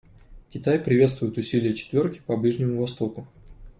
Китай приветствует усилия «четверки» по Ближнему Востоку.